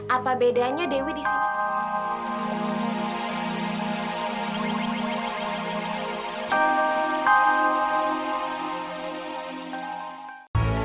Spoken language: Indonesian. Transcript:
apa bedanya dewi di sini